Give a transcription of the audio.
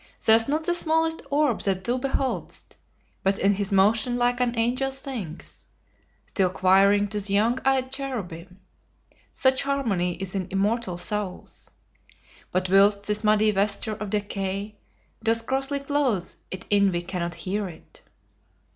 There's not the smallest orb that thou behold'st But in his motion like an angel sings, Still quiring to the young eyed cherubim; Such harmony is in immortal souls! But whilst this muddy vesture of decay Doth grossly close it in we cannot hear it."